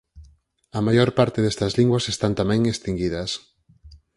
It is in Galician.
A maior parte destas linguas están tamén extinguidas.